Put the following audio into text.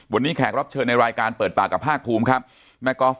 วันนี้แขกรับเชิญในรายการเปิดปากกับภาคภูมิครับแม่ก๊อฟ